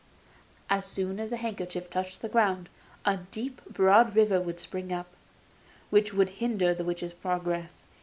As soon as the handkerchief touched the ground a deep, broad river would spring up, which would hinder the witch's progress.